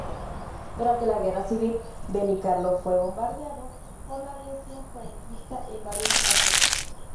Durante la guerra civil Benicarló, fue bombardeado por la aviación franquista en varias ocasiones.